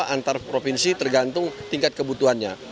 antar provinsi tergantung tingkat kebutuhannya